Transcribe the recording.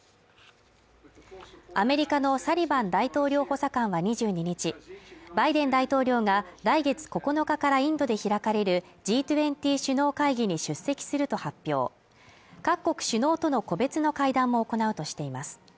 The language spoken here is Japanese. アメリカのサリバン大統領補佐官は２２日バイデン大統領が来月９日からインドで開かれるＧ２０首脳会議に出席すると発表各国首脳との個別の会談も行うとしています